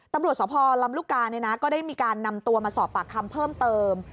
ตำรวจสภลำลูกกาก็ได้มีการนำตัวมาสอบปากคำเพิ่มเติม